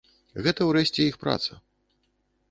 Гэта, урэшце, іх праца.